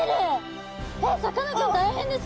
えっさかなクン大変です。